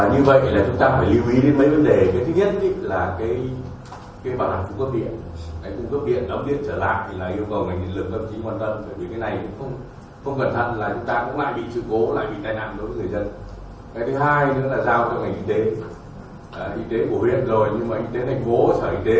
như vậy là chúng ta phải lưu ý đến mấy vấn đề